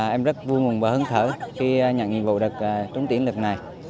em rất vui nguồn và hứng thở khi nhận nhiệm vụ được trúng tiến lực này